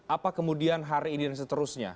apa kemudian hari ini dan seterusnya